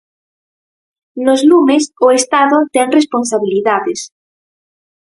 Nos lumes o Estado ten responsabilidades.